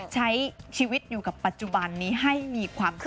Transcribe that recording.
ใช้ชีวิตอยู่กับปัจจุบันนี้ให้มีความสุข